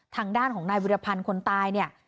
ทางด้านของนายวิรพันธ์คนตายเนี่ย